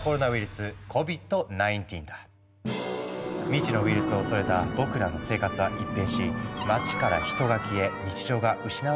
未知のウイルスを恐れた僕らの生活は一変し街から人が消え日常が失われていったよね。